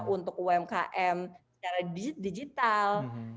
untuk umkm secara digital